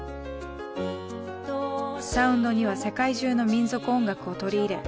サウンドには世界中の民俗音楽を取り入れ